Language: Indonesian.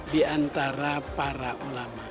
di antara para ulama